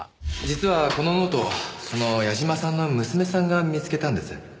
実はこのノートその矢嶋さんの娘さんが見つけたんです。